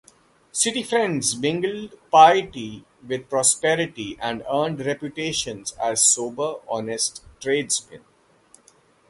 City Friends mingled piety with prosperity and earned reputations as sober, honest tradesmen.